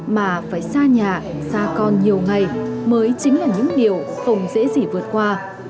mà phải xa nhà xa con nhiều ngày mới chính là những điều không dễ gì vượt qua